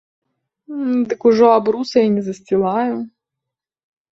Дык ужо абруса і не засцілаю.